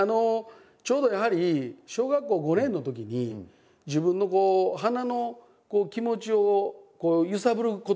ちょうどやはり小学校５年のときに自分のこう花の気持ちを揺さぶることが。